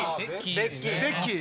ベッキー。